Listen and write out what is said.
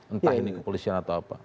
entah ini kepolisian atau apa